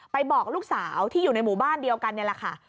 บอกลูกสาวที่อยู่ในหมู่บ้านเดียวกันนี่แหละค่ะ